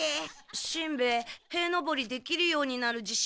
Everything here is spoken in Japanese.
しんべヱ塀のぼりできるようになるじしんあるの？